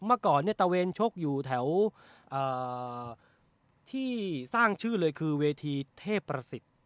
เมื่อก่อนเนี่ยตะเวนชกอยู่แถวที่สร้างชื่อเลยคือเวทีเทพประสิทธิ์